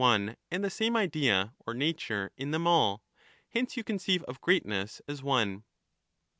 one and the same idea (or nature) in them all ; hence you conceive of greatness as one.